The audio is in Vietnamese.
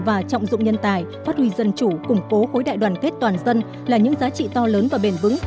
và trọng dụng nhân tài phát huy dân chủ củng cố khối đại đoàn kết toàn dân là những giá trị to lớn và bền vững